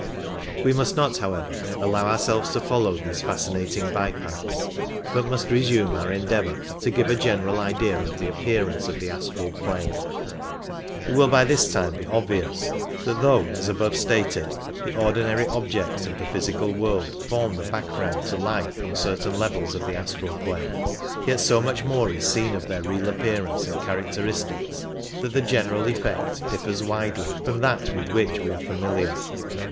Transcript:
We must not, however, allow ourselves to follow these fascinating bye paths, but must resume our endeavour to give a general idea of the appearance of the astral plane. It will by this time be obvious that though, as above stated, the ordinary objects of the physical world form the background to life on certain levels of the astral plane, yet so much more is seen of their real appearance and char acteristics that the general effect differs widely from that with which we are familiar.